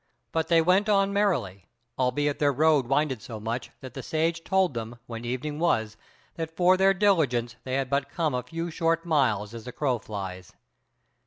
But they went on merrily, albeit their road winded so much, that the Sage told them, when evening was, that for their diligence they had but come a few short miles as the crow flies.